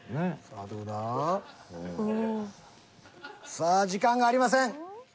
さあ時間がありません。